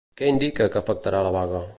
Què indica que afectarà la vaga?